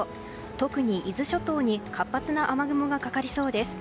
特に伊豆諸島に活発な雨雲がかかりそうです。